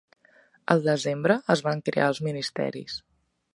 Al desembre, es van crear els ministeris.